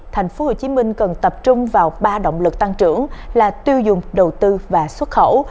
tp hcm cần tập trung vào ba động lực tăng trưởng là tiêu dùng đầu tư và xuất khẩu